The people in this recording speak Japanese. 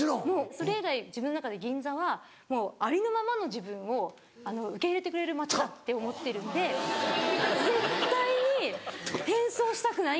それ以来自分の中で銀座はもうありのままの自分を受け入れてくれる街だって思ってるんで絶対に変装したくないんです。